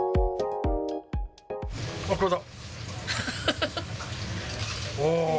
あっ、これだ。